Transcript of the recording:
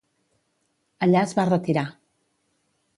Allà es va retirar.